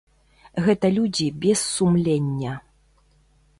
Гэта людзі без сумлення.